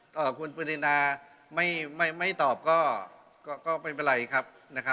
ต่อคุณปรินาไม่ตอบก็ไม่เป็นไรครับ